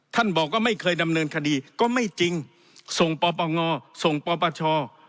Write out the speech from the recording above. ท่านบอกว่าไม่เคยดำเนินคดีก็ไม่จริงส่งปปงส่งปปช